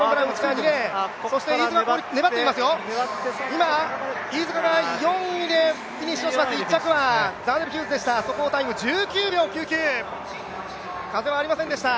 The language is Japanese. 今、飯塚が４位でフィニッシュしまして１着はザーネル・ヒューズでした、速報タイム１９秒９９、風はありませんでした。